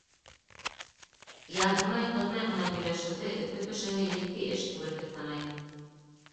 Ярһымай-ҡыҙмай ғына һөйләшеүҙе Өфө кешеһе етди эш түгел тип һанай.